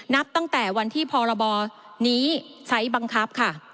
นับตั้งแต่วันที่พรบนี้ใช้บังคับค่ะ